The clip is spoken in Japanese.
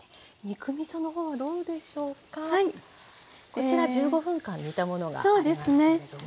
こちら１５分間煮たものがありますけれども。